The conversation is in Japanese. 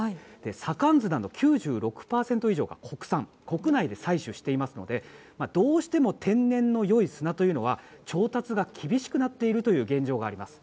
左官砂の９６％以上が国産国内で採取していますのでどうしても天然の良い砂というのは調達が厳しくなっているという現状があります。